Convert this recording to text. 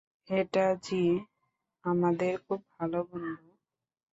এটা যী, আমাদের খুব ভালো বন্ধু।